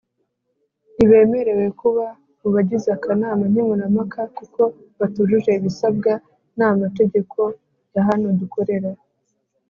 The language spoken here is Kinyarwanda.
ntibemerewe kuba mu bagize akanama nkemurampaka kuko batujuje ibisabwa nama tegeko yahano dukorera.